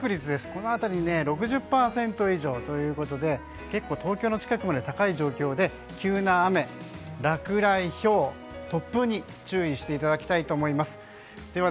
この辺り６０％以上ということで結構、東京の近くまで高い状況で急な雨、落雷、ひょう突風に注意していただきたいと思います。